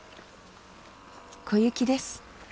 小雪です。